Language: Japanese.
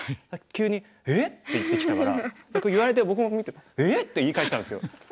急に「えっ？」って言ってきたから僕言われて僕も見て「えっ？」って言い返したんですよ。